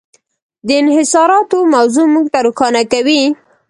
د انحصاراتو موضوع موږ ته روښانه کوي.